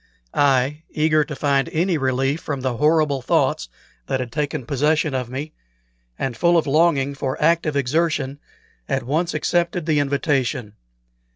I, eager to find any relief from the horrible thoughts that had taken possession of me, and full of longing for active exertion, at once accepted the invitation.